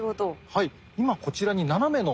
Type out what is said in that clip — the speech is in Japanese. はい。